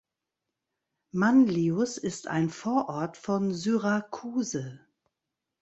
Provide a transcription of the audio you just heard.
Manlius ist ein Vorort von Syracuse.